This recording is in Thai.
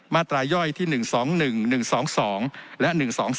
ตราย่อยที่๑๒๑๑๒๒และ๑๒๓